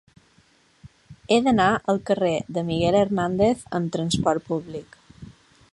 He d'anar al carrer de Miguel Hernández amb trasport públic.